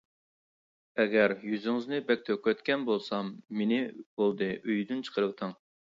ئەگەر يۈزىڭىزنى بەك تۆكۈۋەتكەن بولسام مېنى بولدى ئۆيدىن چىقىرىۋېتىڭ.